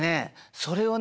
それをね